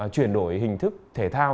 chuyển đổi hình thức thể thao